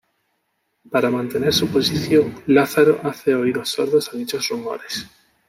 Para mantener su posición, Lázaro hace oídos sordos a dichos rumores.